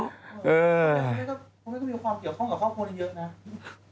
คุณแม่ก็มีความเกี่ยวข้องกับครอบครัวนี้เยอะนะ